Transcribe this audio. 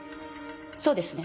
そうですね？